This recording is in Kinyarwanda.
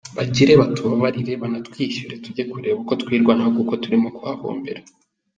Bagire batubarire banatwishyure tujye kureba uko twirwanaho kuko turimo kuhahombera.